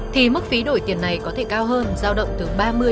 thì mức phí đổi tiền này có thể cao hơn giao động từ ba mươi ba mươi